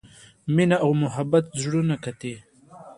مینه او محبت زړونه ګټي.